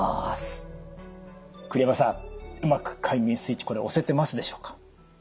栗山さんうまく快眠スイッチこれ押せてますでしょうか？